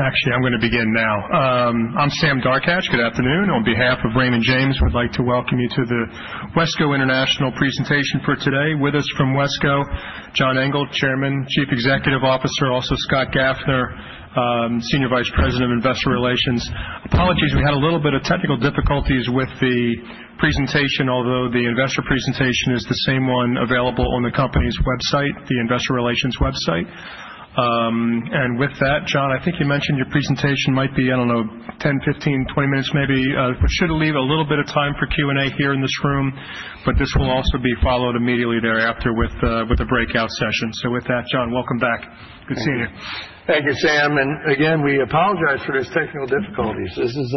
Actually, I'm gonna begin now. I'm Sam Darkatsh. Good afternoon. On behalf of Raymond James, we'd like to welcome you to the Wesco International presentation for today. With us from Wesco, John Engel, Chairman, Chief Executive Officer, also Scott Gaffner, Senior Vice President of Investor Relations. Apologies, we had a little bit of technical difficulties with the presentation, although the investor presentation is the same one available on the company's website, the investor relations website. And with that, John, I think you mentioned your presentation might be, I don't know, 10, 15, 20 minutes maybe. We should leave a little bit of time for Q&A here in this room, but this will also be followed immediately thereafter with a breakout session. So with that, John, welcome back. Good to see you. Thank you, Sam, and again, we apologize for those technical difficulties. This is,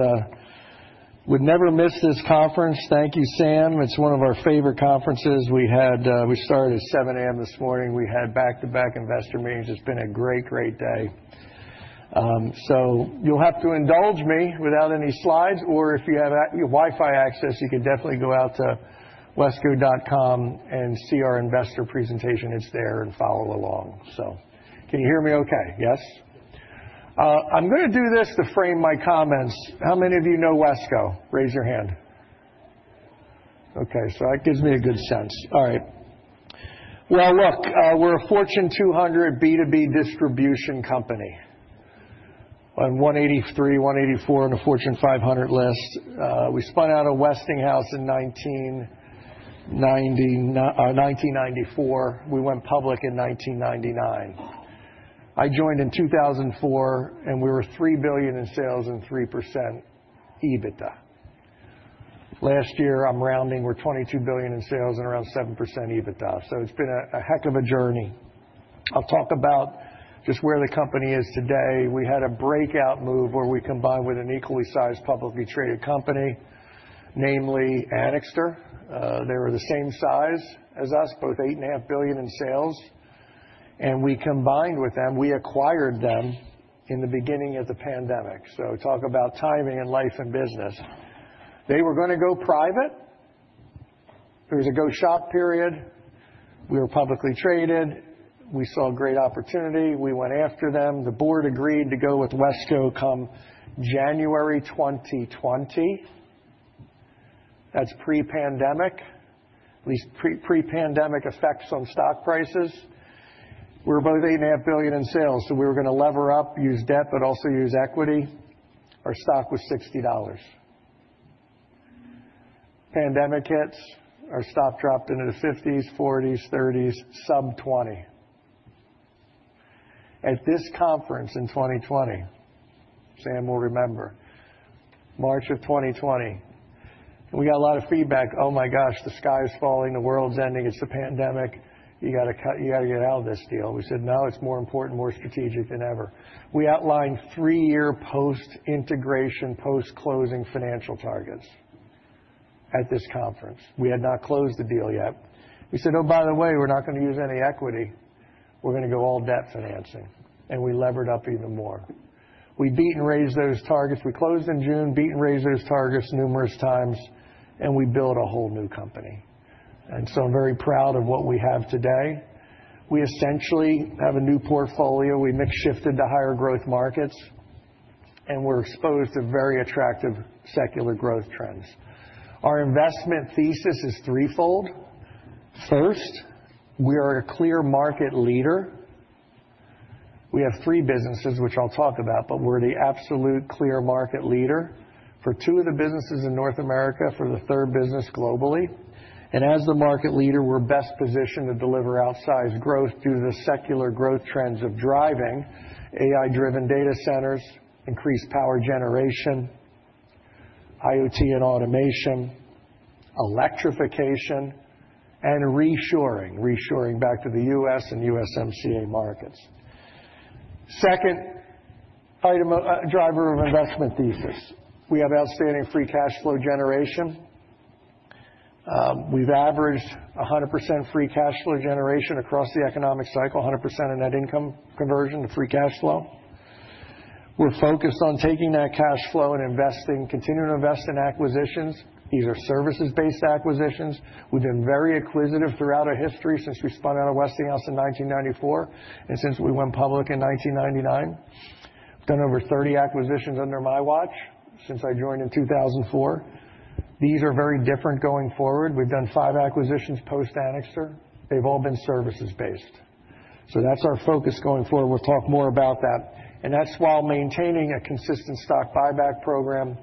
we'd never miss this conference. Thank you, Sam. It's one of our favorite conferences. We had. We started at 7:00A.M. this morning. We had back-to-back investor meetings. It's been a great, great day. So you'll have to indulge me without any slides, or if you have Wi-Fi access, you can definitely go out to wesco.com and see our investor presentation. It's there, and follow along. So can you hear me okay? Yes. I'm gonna do this to frame my comments. How many of you know Wesco? Raise your hand. Okay, so that gives me a good sense. All right. Well, look, we're a Fortune 200 B2B distribution company, on 183, 184 on the Fortune 500 list. We spun out of Westinghouse in 1994. We went public in 1999. I joined in 2004, and we were $3 billion in sales and 3% EBITDA. Last year, I'm rounding, we're $22 billion in sales and around 7% EBITDA, so it's been a heck of a journey. I'll talk about just where the company is today. We had a breakout move where we combined with an equally sized, publicly traded company, namely Anixter. They were the same size as us, both $8.5 billion in sales, and we combined with them. We acquired them in the beginning of the pandemic, so talk about timing and life and business. They were gonna go private. There was a go-shop period. We were publicly traded. We saw a great opportunity. We went after them. The board agreed to go with Wesco come January 2020. That's pre-pandemic, at least pre-pre-pandemic effects on stock prices. We're about $8.5 billion in sales, so we were gonna lever up, use debt, but also use equity. Our stock was $60. Pandemic hits, our stock dropped into the $50s, $40s, $30s, sub-$20. At this conference in 2020, Sam will remember, March of 2020, we got a lot of feedback: "Oh, my gosh, the sky is falling, the world's ending. It's the pandemic. You gotta get out of this deal." We said, "No, it's more important, more strategic than ever." We outlined three-year post-integration, post-closing financial targets at this conference. We had not closed the deal yet. We said, "Oh, by the way, we're not gonna use any equity. We're gonna go all debt financing, and we levered up even more. We beat and raised those targets. We closed in June, beat and raised those targets numerous times, and we built a whole new company, and so I'm very proud of what we have today. We essentially have a new portfolio. We mix shifted to higher growth markets, and we're exposed to very attractive secular growth trends. Our investment thesis is threefold. First, we are a clear market leader. We have three businesses, which I'll talk about, but we're the absolute clear market leader for two of the businesses in North America, for the third business globally, and as the market leader, we're best positioned to deliver outsized growth due to the secular growth trends of driving AI-driven data centers, increased power generation, IoT and automation, electrification, and reshoring, reshoring back to the U.S. and USMCA markets. Second item, driver of investment thesis, we have outstanding free cash flow generation. We've averaged 100% free cash flow generation across the economic cycle, 100% of net income conversion to free cash flow. We're focused on taking that cash flow and investing, continuing to invest in acquisitions. These are services-based acquisitions. We've been very acquisitive throughout our history since we spun out of Westinghouse in 1994, and since we went public in 1999. Done over 30 acquisitions under my watch since I joined in 2004. These are very different going forward. We've done five acquisitions post-Anixter. They've all been services-based. So that's our focus going forward. We'll talk more about that, and that's while maintaining a consistent stock buyback program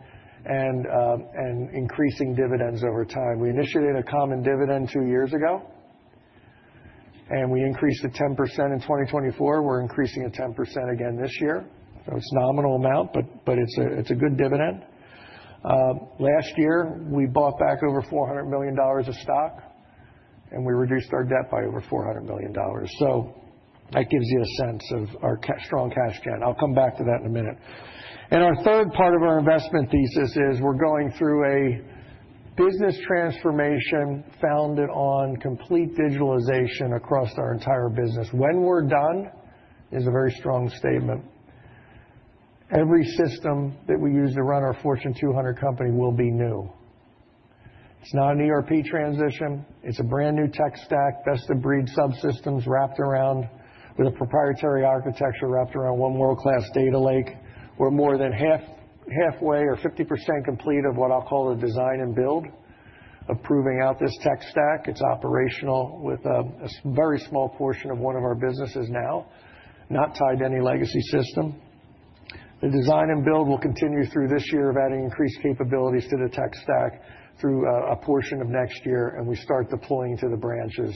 and increasing dividends over time. We initiated a common dividend two years ago, and we increased it 10% in 2024. We're increasing it 10% again this year. So it's a nominal amount, but it's a good dividend. Last year, we bought back over $400 million of stock, and we reduced our debt by over $400 million. So that gives you a sense of our strong cash gen. I'll come back to that in a minute. Our third part of our investment thesis is we're going through a business transformation founded on complete digitalization across our entire business. When we're done is a very strong statement, every system that we use to run our Fortune 200 company will be new. It's not an ERP transition. It's a brand new tech stack, best-of-breed subsystems wrapped around with a proprietary architecture, wrapped around one world-class data lake. We're more than half, halfway or 50% complete of what I'll call the design and build of proving out this tech stack. It's operational with a very small portion of one of our businesses now, not tied to any legacy system. The design and build will continue through this year of adding increased capabilities to the tech stack through a portion of next year, and we start deploying to the branches.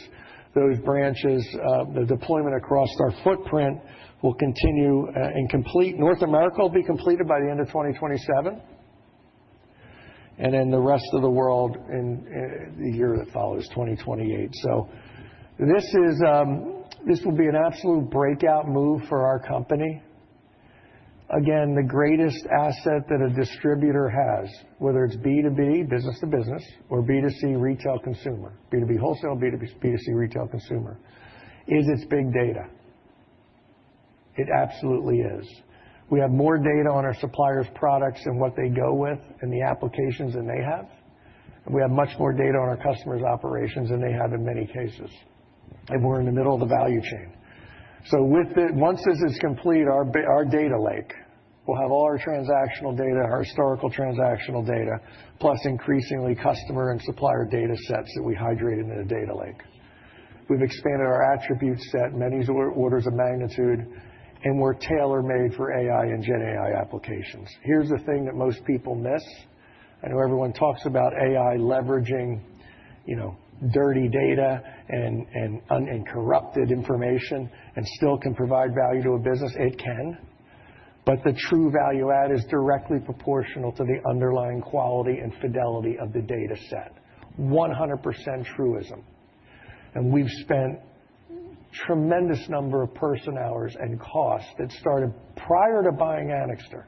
Those branches, the deployment across our footprint will continue, and complete. North America will be completed by the end of 2027, and then the rest of the world in the year that follows, 2028. So this is, this will be an absolute breakout move for our company. Again, the greatest asset that a distributor has, whether it's B2B, Business to Business, or B2C, retail consumer, B2B wholesale, B2C, retail consumer, is its big data. It absolutely is. We have more data on our suppliers' products and what they go with and the applications than they have, and we have much more data on our customers' operations than they have in many cases, and we're in the middle of the value chain. Once this is complete, our data lake will have all our transactional data, our historical transactional data, plus increasingly customer and supplier data sets that we hydrated in a data lake. We've expanded our attribute set many orders of magnitude, and we're tailor-made for AI and GenAI applications. Here's the thing that most people miss. I know everyone talks about AI leveraging, you know, dirty data and uncorrupted information and still can provide value to a business. It can, but the true value add is directly proportional to the underlying quality and fidelity of the data set. 100% truism. And we've spent tremendous number of person hours and costs that started prior to buying Anixter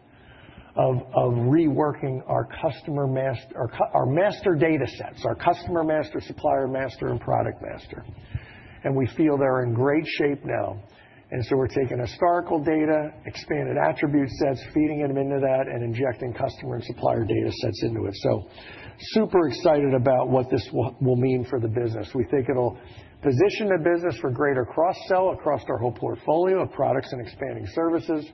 of reworking our customer master data sets, our customer master, supplier master, and product master. And we feel they're in great shape now. And so we're taking historical data, expanded attribute sets, feeding them into that, and injecting customer and supplier data sets into it. So super excited about what this will mean for the business. We think it'll position the business for greater cross-sell across our whole portfolio of products and expanding services,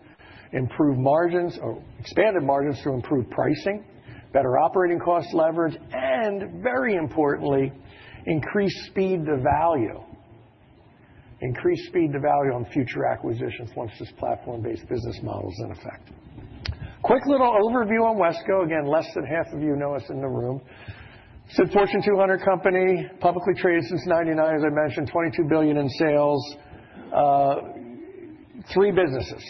improve margins or expanded margins through improved pricing, better operating cost leverage, and very importantly, increase speed to value. Increase speed to value on future acquisitions once this platform-based business model is in effect. Quick little overview on Wesco. Again, less than half of you know us in the room. It's a Fortune 200 company, publicly traded since 1999, as I mentioned, $22 billion in sales. Three businesses.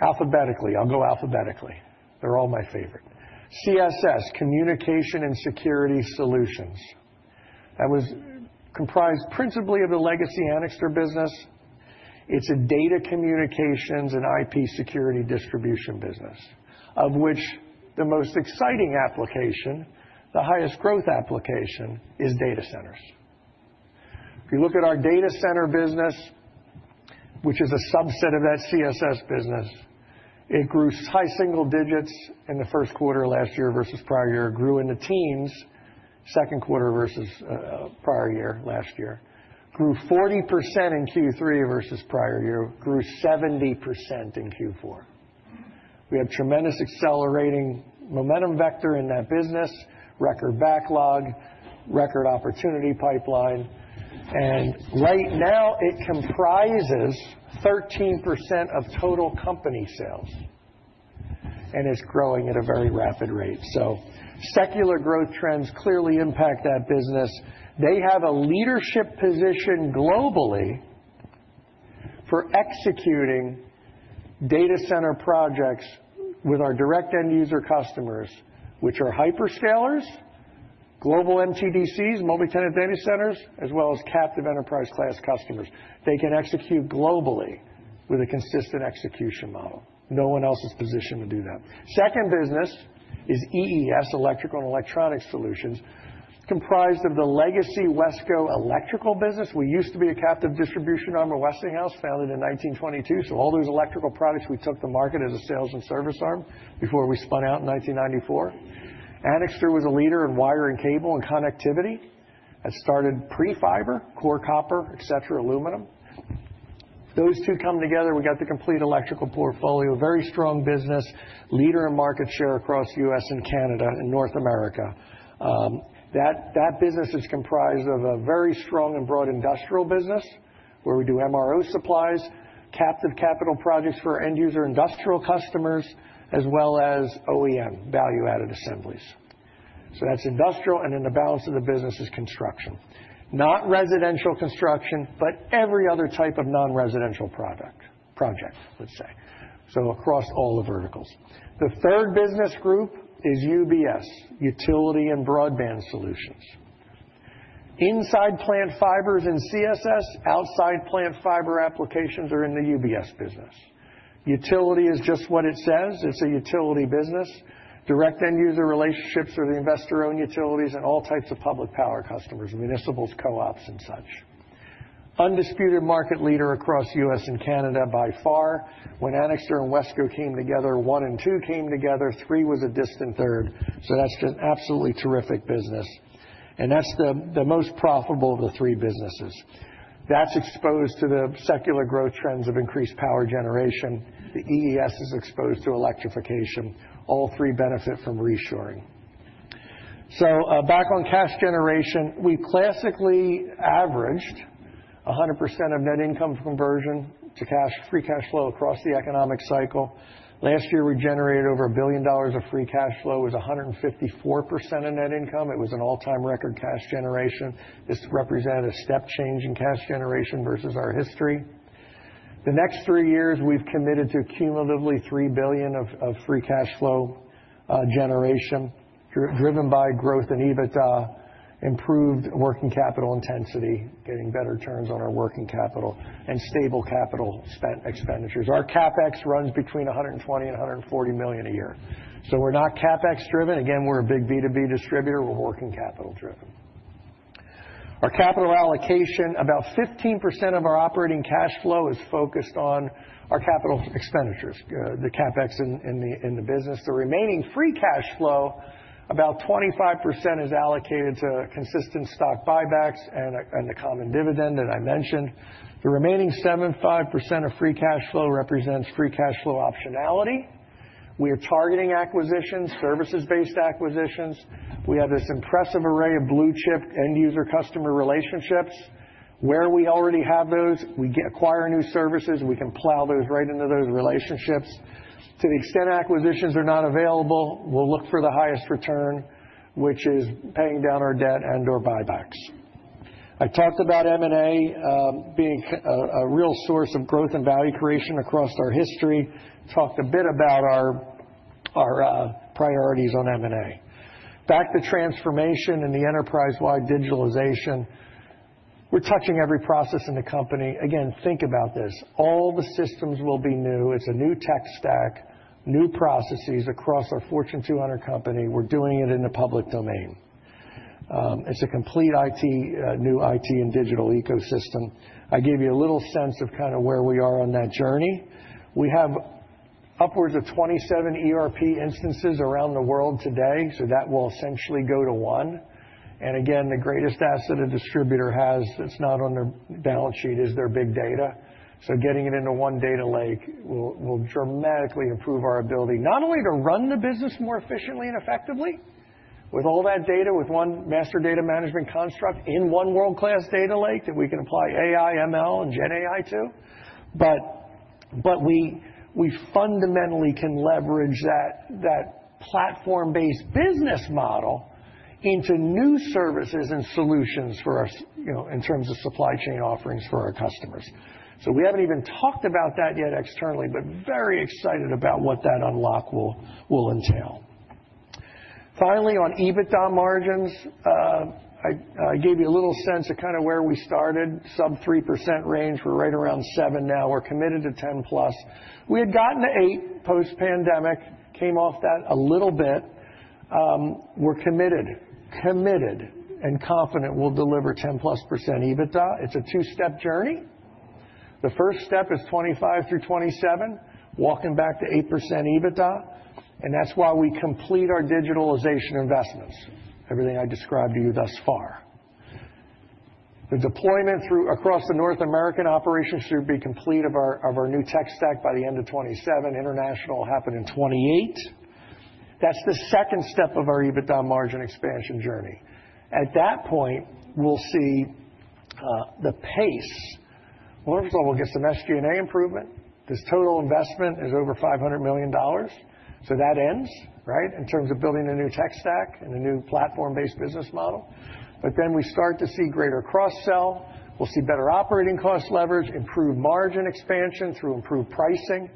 Alphabetically, I'll go alphabetically. They're all my favorite. CSS, Communications and Security Solutions. That was comprised principally of the legacy Anixter business. It's a data communications and IP security distribution business, of which the most exciting application, the highest growth application, is data centers. If you look at our data center business, which is a subset of that CSS business, it grew high-single digits in the first quarter of last year versus prior year, grew in the teens second quarter versus prior year, last year. Grew 40% in Q3 versus prior year, grew 70% in Q4. We had tremendous accelerating momentum vector in that business, record backlog, record opportunity pipeline, and right now, it comprises 13% of total company sales, and it's growing at a very rapid rate. So secular growth trends clearly impact that business. They have a leadership position globally for executing data center projects with our direct end user customers, which are hyperscalers, global MTDCs, multi-tenant data centers, as well as captive enterprise class customers. They can execute globally with a consistent execution model. No one else is positioned to do that. Second business is EES, Electrical and Electronic Solutions, comprised of the legacy Wesco electrical business. We used to be a captive distribution arm of Westinghouse, founded in 1922, so all those electrical products we took to market as a sales and service arm before we spun out in 1994. Anixter was a leader in wire and cable and connectivity. That started pre-fiber, core copper, et cetera, aluminum. Those two come together, we got the complete electrical portfolio, very strong business, leader in market share across U.S. and Canada and North America. That business is comprised of a very strong and broad industrial business, where we do MRO supplies, captive capital projects for end user industrial customers, as well as OEM, value-added assemblies. So that's industrial, and then the balance of the business is construction. Not residential construction, but every other type of non-residential product-project, let's say, so across all the verticals. The third business group is UBS, Utility and Broadband Solutions. Inside plant fibers in CSS, outside plant fiber applications are in the UBS business. Utility is just what it says, it's a utility business. Direct end user relationships are the investor-owned utilities and all types of public power customers, municipals, co-ops, and such. Undisputed market leader across U.S. and Canada by far. When Anixter and Wesco came together, one and two came together, three was a distant third. So that's an absolutely terrific business, and that's the most profitable of the three businesses. That's exposed to the secular growth trends of increased power generation. The EES is exposed to electrification. All three benefit from reshoring. Back on cash generation, we classically averaged 100% of net income conversion to cash, free cash flow across the economic cycle. Last year, we generated over $1 billion of free cash flow. It was 154% of net income. It was an all-time record cash generation. This represented a step change in cash generation versus our history. The next three years, we've committed to cumulatively $3 billion of free cash flow generation, driven by growth in EBITDA, improved working capital intensity, getting better returns on our working capital and stable capital expenditures. Our CapEx runs between $120 million and $140 million a year, so we're not CapEx driven. Again, we're a big B2B distributor, we're working capital driven. Our capital allocation, about 15% of our operating cash flow is focused on our capital expenditures, the CapEx in the business. The remaining free cash flow, about 25%, is allocated to consistent stock buybacks and the common dividend that I mentioned. The remaining 75% of free cash flow represents free cash flow optionality. We are targeting acquisitions, services-based acquisitions. We have this impressive array of blue-chip end-user customer relationships. Where we already have those, we acquire new services, we can plow those right into those relationships. To the extent acquisitions are not available, we'll look for the highest return, which is paying down our debt and/or buybacks. I talked about M&A being a real source of growth and value creation across our history. Talked a bit about our priorities on M&A. Back to transformation and the enterprise-wide digitalization. We're touching every process in the company. Again, think about this: all the systems will be new. It's a new tech stack, new processes across our Fortune 200 company. We're doing it in the public domain. It's a complete IT, new IT and digital ecosystem. I gave you a little sense of kind of where we are on that journey. We have upwards of 27 ERP instances around the world today, so that will essentially go to one. And again, the greatest asset a distributor has that's not on their balance sheet is their big data. So getting it into one data lake will dramatically improve our ability, not only to run the business more efficiently and effectively, with all that data, with one master data management construct in one world-class data lake that we can apply AI, ML, and GenAI to, but we fundamentally can leverage that platform-based business model into new services and solutions for our customers, you know, in terms of supply chain offerings for our customers. We haven't even talked about that yet externally, but very excited about what that unlock will entail. Finally, on EBITDA margins, I gave you a little sense of kind of where we started, sub-3% range. We're right around 7% now. We're committed to 10% plus. We had gotten to 8% post-pandemic, came off that a little bit. We're committed and confident we'll deliver 10%+ EBITDA. It's a two-step journey. The first step is 2025 through 2027, walking back to 8% EBITDA, and that's why we complete our digitalization investments, everything I described to you thus far. The deployment through across the North American operations should be complete of our new tech stack by the end of 2027. International will happen in 2028. That's the second step of our EBITDA margin expansion journey. At that point, we'll see the pace. First of all, we'll get some SG&A improvement. This total investment is over $500 million, so that ends, right, in terms of building a new tech stack and a new platform-based business model. But then we start to see greater cross-sell. We'll see better operating cost leverage, improved margin expansion through improved pricing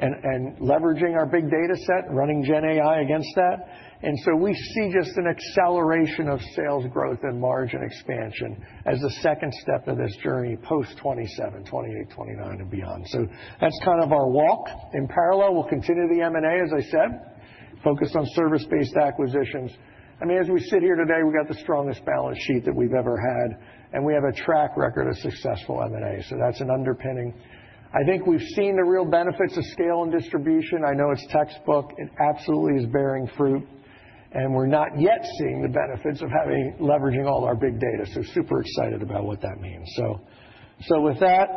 and leveraging our big data set and running GenAI against that. And so we see just an acceleration of sales growth and margin expansion as the second step of this journey, post-2027, 2028, 2029 and beyond. So that's kind of our walk. In parallel, we'll continue the M&A, as I said, focused on service-based acquisitions. I mean, as we sit here today, we've got the strongest balance sheet that we've ever had, and we have a track record of successful M&A, so that's an underpinning. I think we've seen the real benefits of scale and distribution. I know it's textbook. It absolutely is bearing fruit, and we're not yet seeing the benefits of leveraging all our big data, so super excited about what that means. So, with that,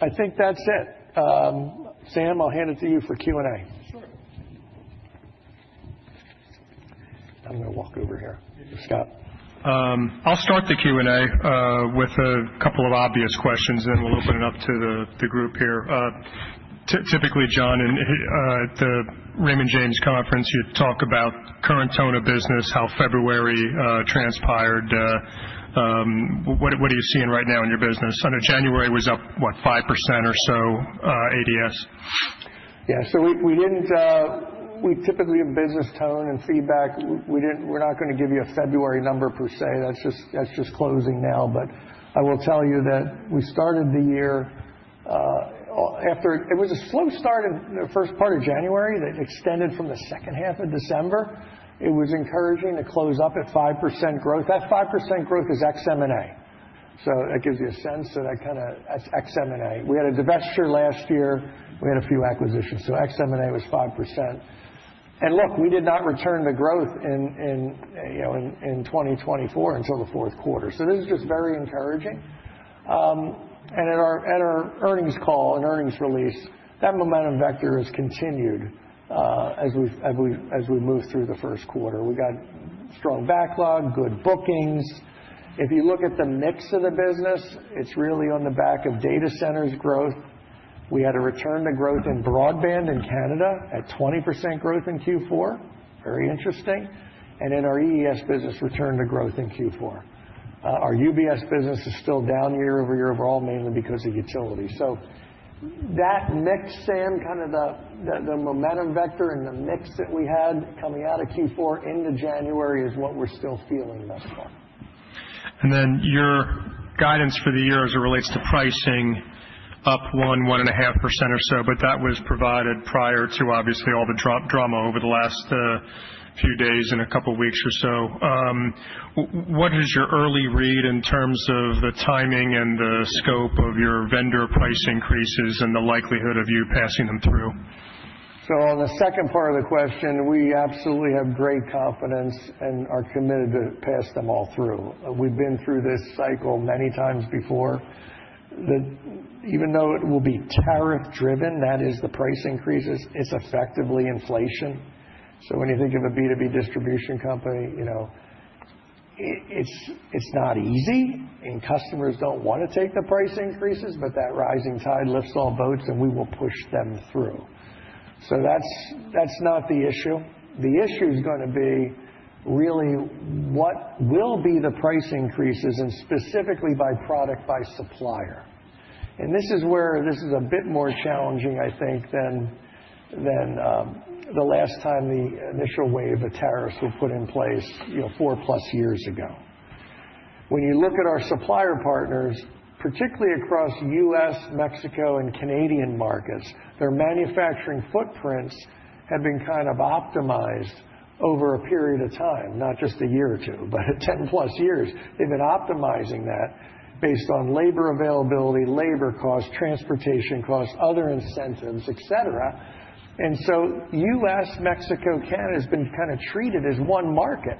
I think that's it. Sam, I'll hand it to you for Q&A. Sure. I'm gonna walk over here, Scott. I'll start the Q&A with a couple of obvious questions, then we'll open it up to the group here. Typically, John, at the Raymond James conference, you talk about current tone of business, how February transpired. What are you seeing right now in your business? I know January was up 5% or so, ADS. Yeah, so we typically have business tone and feedback. We're not gonna give you a February number, per se. That's just closing now, but I will tell you that we started the year after it was a slow start in the first part of January that extended from the second half of December. It was encouraging to close up at 5% growth. That 5% growth is ex-M&A, so that gives you a sense of that kind of ex-M&A. We had a divestiture last year, we had a few acquisitions, so ex M&A was 5%. And look, we did not return to growth in, you know, in 2024 until the fourth quarter. So this is just very encouraging. At our earnings call and earnings release, that momentum vector has continued, as we move through the first quarter. We got strong backlog, good bookings. If you look at the mix of the business, it's really on the back of data centers growth. We had a return to growth in broadband in Canada at 20% growth in Q4. Very interesting. In our EES business, return to growth in Q4. Our UBS business is still down year over year overall, mainly because of utility. So that mix, Sam, kind of the momentum vector and the mix that we had coming out of Q4 into January, is what we're still feeling thus far. And then your guidance for the year as it relates to pricing, up 1%-1.5% or so, but that was provided prior to, obviously, all the drama over the last few days and a couple weeks or so. What is your early read in terms of the timing and the scope of your vendor price increases and the likelihood of you passing them through? So on the second part of the question, we absolutely have great confidence and are committed to pass them all through. We've been through this cycle many times before, that even though it will be tariff driven, that is the price increases, it's effectively inflation. So when you think of a B2B distribution company, you know, it's not easy, and customers don't want to take the price increases, but that rising tide lifts all boats, and we will push them through. So that's not the issue. The issue is gonna be really what will be the price increases, and specifically by product, by supplier. And this is where this is a bit more challenging, I think, than the last time the initial wave of tariffs were put in place, you know, 4+ years ago. When you look at our supplier partners, particularly across U.S., Mexico, and Canadian markets, their manufacturing footprints have been kind of optimized over a period of time, not just a year or two, but 10+ years. They've been optimizing that based on labor availability, labor cost, transportation cost, other incentives, et cetera. And so U.S., Mexico, Canada, has been kind of treated as one market.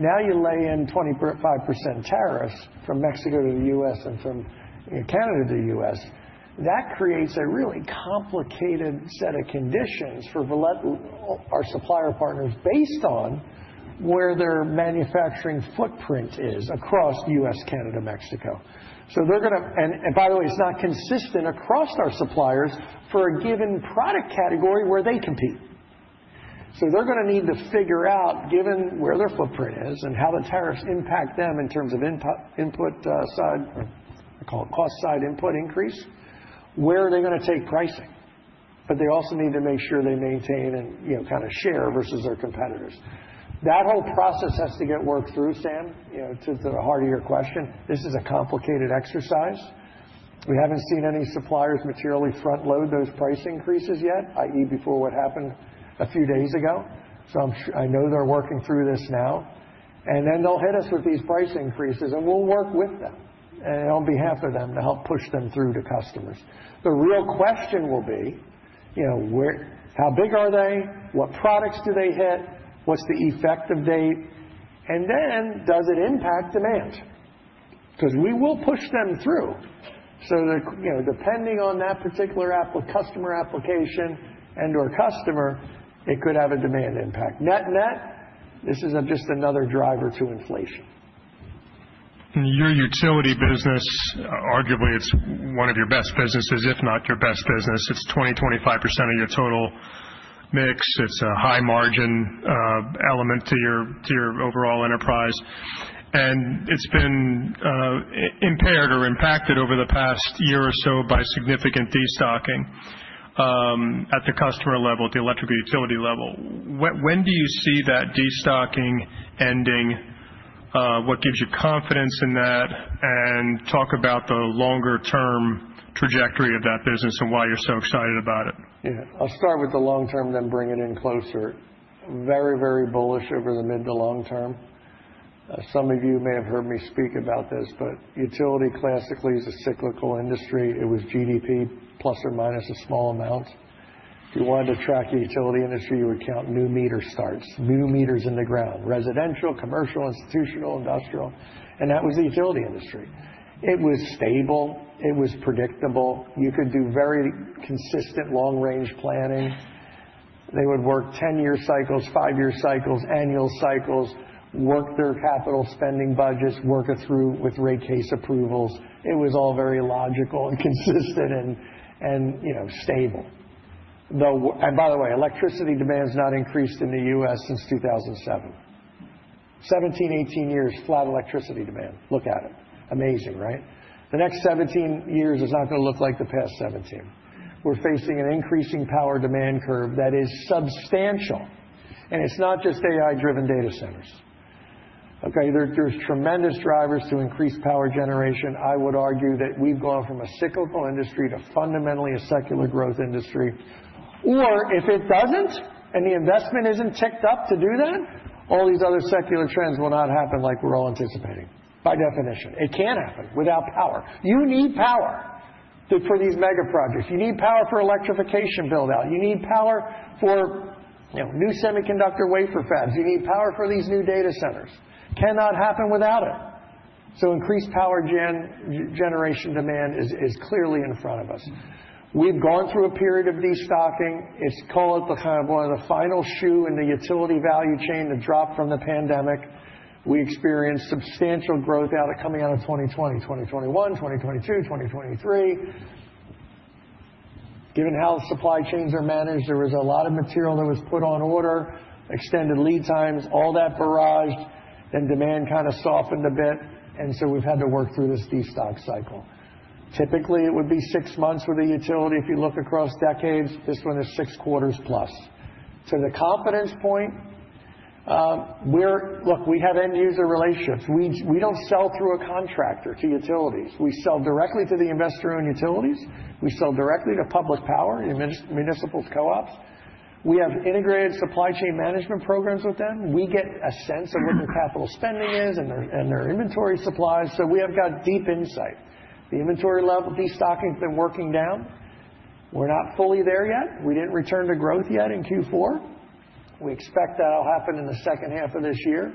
Now, you lay in 25% tariffs from Mexico to the U.S. and from Canada to the U.S., that creates a really complicated set of conditions for our supplier partners based on where their manufacturing footprint is across U.S., Canada, Mexico. So they're gonna. And by the way, it's not consistent across our suppliers for a given product category where they compete. They're gonna need to figure out, given where their footprint is and how the tariffs impact them in terms of input side, or call it cost side, input increase, where are they gonna take pricing? But they also need to make sure they maintain and, you know, kind of share versus their competitors. That whole process has to get worked through, Sam. You know, to the heart of your question, this is a complicated exercise. We haven't seen any suppliers materially front load those price increases yet, i.e., before what happened a few days ago. So I'm sure. I know they're working through this now, and then they'll hit us with these price increases, and we'll work with them, and on behalf of them, to help push them through to customers. The real question will be, you know, where how big are they? What products do they hit? What's the effective date? And then, does it impact demand? Because we will push them through. So the, you know, depending on that particular app- customer application and/or customer, it could have a demand impact. Net-net, this is just another driver to inflation. Your utility business, arguably, it's one of your best businesses, if not your best business. It's 20%-25% of your total mix. It's a high margin element to your overall enterprise, and it's been impaired or impacted over the past year or so by significant destocking at the customer level, at the electric utility level. When do you see that destocking ending? What gives you confidence in that? And talk about the longer term trajectory of that business and why you're so excited about it. Yeah. I'll start with the long term, then bring it in closer. Very, very bullish over the mid to long term. Some of you may have heard me speak about this, but utility classically is a cyclical industry. It was GDP, plus or minus a small amount. If you wanted to track the utility industry, you would count new meter starts, new meters in the ground, residential, commercial, institutional, industrial, and that was the utility industry. It was stable, it was predictable. You could do very consistent long-range planning. They would work 10-year cycles, five-year cycles, annual cycles, work their capital spending budgets, work it through with rate case approvals. It was all very logical and consistent, and you know, stable. And by the way, electricity demand has not increased in the U.S. since 2007. 17, 18 years, flat electricity demand. Look at it. Amazing, right? The next 17 years is not gonna look like the past 17 years. We're facing an increasing power demand curve that is substantial, and it's not just AI-driven data centers. Okay, there's tremendous drivers to increase power generation. I would argue that we've gone from a cyclical industry to fundamentally a secular growth industry, or if it doesn't, and the investment isn't ticked up to do that, all these other secular trends will not happen like we're all anticipating, by definition. It can't happen without power. You need power for these mega projects. You need power for electrification build-out. You need power for, you know, new semiconductor wafer fabs. You need power for these new data centers. Cannot happen without it. So increased power generation demand is clearly in front of us. We've gone through a period of destocking. It's called the kind of one of the final shoe in the utility value chain to drop from the pandemic. We experienced substantial growth out of coming out of 2020, 2021, 2022, 2023. Given how the supply chains are managed, there was a lot of material that was put on order, extended lead times, all that barrage, then demand kind of softened a bit, and so we've had to work through this destock cycle. Typically, it would be six months with a utility if you look across decades. This one is 6+ quarters. To the confidence point, we're, look, we have end user relationships. We don't sell through a contractor to utilities. We sell directly to the investor-owned utilities. We sell directly to public power, and then municipals co-ops. We have integrated supply chain management programs with them. We get a sense of what their capital spending is and their inventory supplies, so we have got deep insight. The inventory level destocking has been working down. We're not fully there yet. We didn't return to growth yet in Q4. We expect that'll happen in the second half of this year.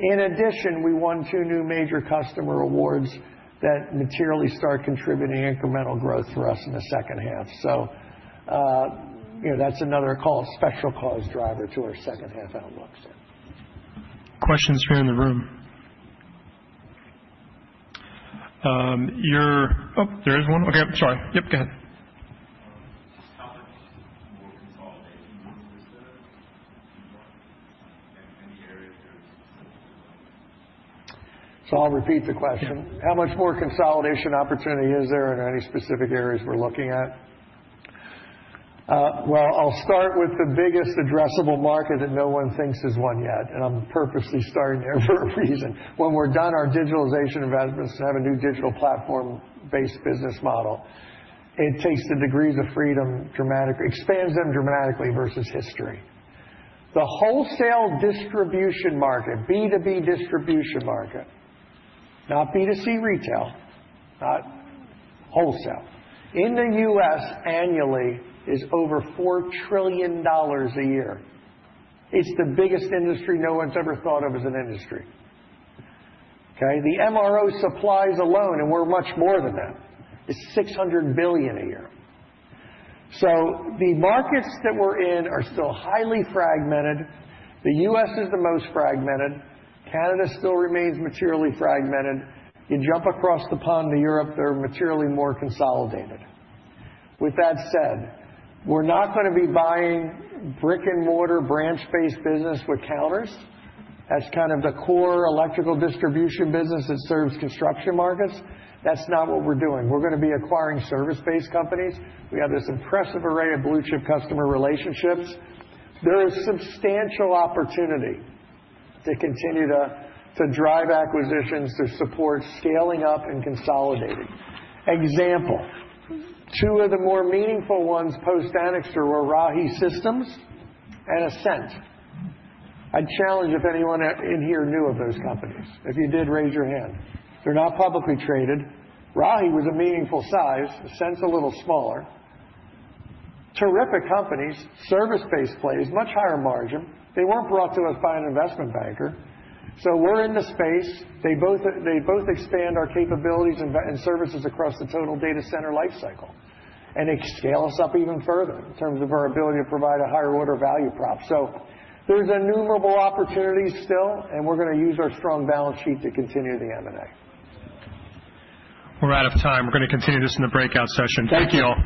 In addition, we won two new major customer awards that materially start contributing incremental growth for us in the second half. So, you know, that's another call, special cause driver to our second half outlook. Questions here in the room? Oh, there is one. Okay, I'm sorry. Yep, go ahead. Just how much more consolidation is there in any areas there? So I'll repeat the question: How much more consolidation opportunity is there, and are there any specific areas we're looking at? Well, I'll start with the biggest addressable market that no one thinks is one yet, and I'm purposely starting there for a reason. When we're done, our digitalization investments have a new digital platform-based business model. It takes the degrees of freedom dramatically, expands them dramatically versus history. The wholesale distribution market, B2B distribution market, not B2C retail, not wholesale. In the U.S., annually is over $4 trillion a year. It's the biggest industry no one's ever thought of as an industry. Okay? The MRO supplies alone, and we're much more than that, is $600 billion a year. So the markets that we're in are still highly fragmented. The U.S. is the most fragmented. Canada still remains materially fragmented. You jump across the pond to Europe, they're materially more consolidated. With that said, we're not gonna be buying brick-and-mortar, branch-based business with counters. That's kind of the core electrical distribution business that serves construction markets. That's not what we're doing. We're gonna be acquiring service-based companies. We have this impressive array of blue-chip customer relationships. There is substantial opportunity to continue to drive acquisitions, to support scaling up and consolidating. Example, two of the more meaningful ones post-Anixter were Rahi Systems and Ascent. I'd challenge if anyone in here knew of those companies. If you did, raise your hand. They're not publicly traded. Rahi was a meaningful size, Ascent's a little smaller. Terrific companies, service-based plays, much higher margin. They weren't brought to us by an investment banker, so we're in the space. They both expand our capabilities and services across the total data center life cycle and scale us up even further in terms of our ability to provide a higher order value prop, so there's innumerable opportunities still, and we're gonna use our strong balance sheet to continue the M&A. We're out of time. We're gonna continue this in the breakout session. Thank you. Thank you all.